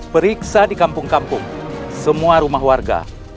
periksa di kampung kampung semua rumah warga